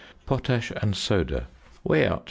~Potash and Soda.~ Weigh out .